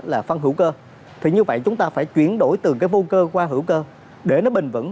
là phân hữu cơ thì như vậy chúng ta phải chuyển đổi từ cái vô cơ qua hữu cơ để nó bình vẩn